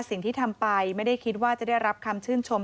สิ่งที่ทำไปไม่ได้คิดว่าจะได้รับคำชื่นชม